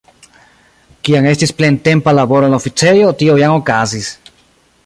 Kiam estis plentempa laboro en la oficejo, tio jam okazis.